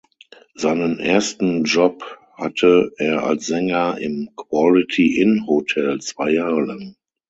Seinen ersten Job hatte er als Sänger im Quality Inn Hotel zwei Jahre lang.